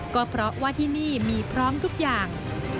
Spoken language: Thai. ก็เพราะว่าที่นี่มีพร้อมทุกอย่าง